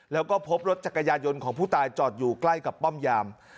แล้วก็พบรถจักรยานยนต์ของผู้ตายจอดอยู่ใกล้กับป้อมยาม